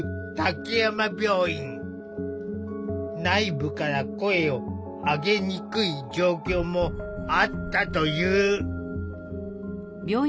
内部から声を上げにくい状況もあったという。